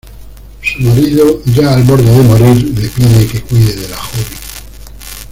Su marido, ya al borde de morir, le pide que cuide de la joven.